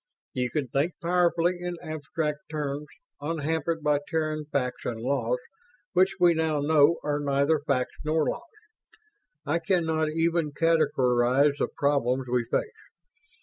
"You can think powerfully in abstract terms, unhampered by Terran facts and laws which we now know are neither facts nor laws. I cannot even categorize the problems we face.